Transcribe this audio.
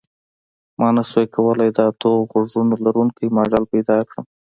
ما نشوای کولی د اتو غوږونو لرونکی ماډل پیدا کړم